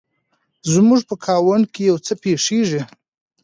زموږ په ګاونډ کې يو څه پیښیږي